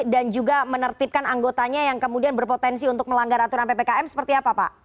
dan juga menertibkan anggotanya yang kemudian berpotensi untuk melanggar aturan ppkm seperti apa pak